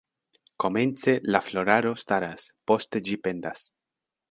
Komence la floraro staras, poste ĝi pendas.